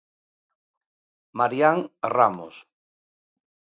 Marián Ramos.